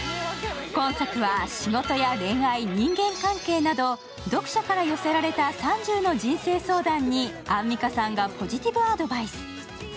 今作は仕事や恋愛、人間関係など読者から寄せられた３０の人生相談に、アンミカさんがポジティブアドバイス。